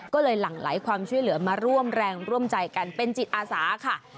ก็เลยหลั่งไหลความช่วยเหลือมาร่วมแรงร่วมใจกันเป็นจิตอาสาค่ะ